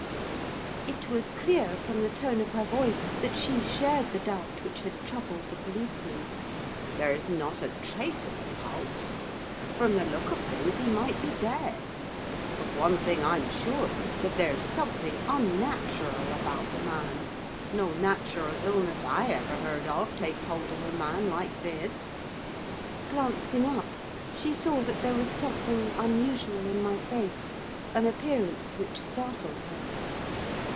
It was clear, from the tone of her voice, that she shared the doubt which had troubled the policeman. 'There's not a trace of a pulse. From the look of things he might be dead. Of one thing I'm sure, that there's something unnatural about the man. No natural illness I ever heard of, takes hold of a man like this.' Glancing up, she saw that there was something unusual in my face; an appearance which startled her.